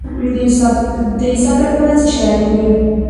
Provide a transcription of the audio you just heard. د انصاف لپاره څه شی اړین دی؟